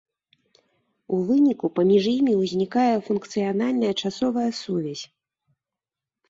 У выніку паміж імі ўзнікае функцыянальная часовая сувязь.